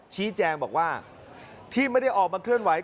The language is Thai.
ชี้แจงบอกว่าที่ไม่ได้ออกมาเคลื่อนไหว